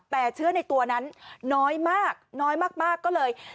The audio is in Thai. แต่เชื้อในตัวนั้นน้อยมากน้อยมากก็เลย